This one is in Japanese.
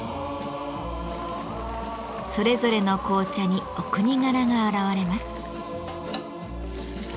それぞれの紅茶にお国柄が表れます。